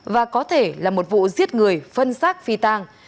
và có thể là một vụ giết người phân xác phi tang